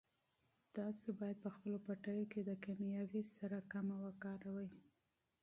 تاسو باید په خپلو پټیو کې کیمیاوي سره کمه وکاروئ.